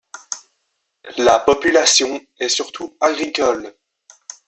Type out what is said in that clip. La population est surtout agricole.